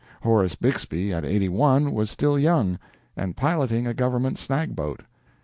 Horace Bixby, at eighty one, was still young, and piloting a government snag boat.